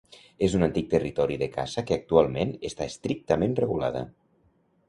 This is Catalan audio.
És un antic territori de caça que actualment està estrictament regulada.